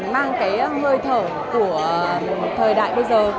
mang cái hơi thở của thời đại bây giờ